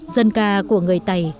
dân ca của người tài